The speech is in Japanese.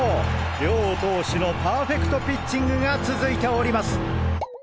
両投手のパーフェクトピッチングが続いております！